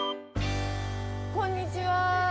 こんにちは。